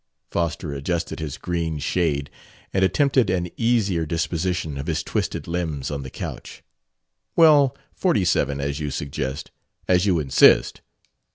Foster adjusted his green shade and attempted an easier disposition of his twisted limbs on the couch. "Well, forty seven, as you suggest, as you insist.